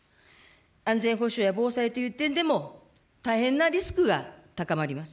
安全保障や防災という点でも、大変なリスクが高まります。